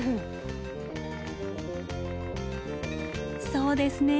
そうですねぇ。